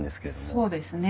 そうですね。